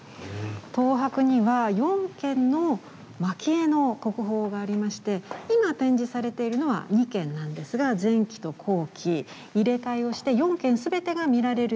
東博には４件の蒔絵の国宝がありまして今展示されているのは２件なんですが前期と後期入れ替えをして４件すべてが見られるようになります。